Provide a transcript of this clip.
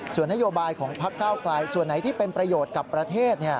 ส่วนนโยบายของพักเก้าไกลส่วนไหนที่เป็นประโยชน์กับประเทศ